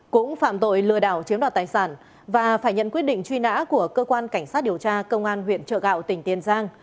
cũng phạm tội lừa đảo chiếm đoạt tài sản và phải nhận quyết định truy nã của cơ quan cảnh sát điều tra công an huyện trợ gạo tỉnh tiền giang